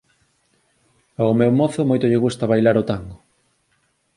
Ao meu mozo moito lle gusta bailar o tango.